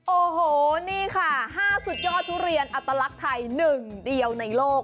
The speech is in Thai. โอ้โหนี่ค่ะ๕สุดยอดทุเรียนอัตลักษณ์ไทย๑เดียวในโลก